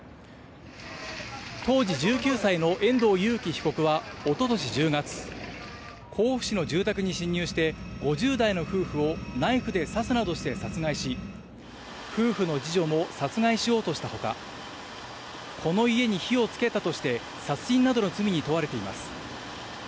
当時１９歳の遠藤裕喜被告は、おととし１０月、甲府市の住宅に侵入して５０代の夫婦をナイフで刺すなどして殺害し、夫婦の二女も殺害しようとしたほか、この家に火をつけたとして殺人などの罪に問われています。